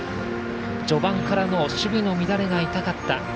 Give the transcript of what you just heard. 序盤からの守備の乱れが痛かった。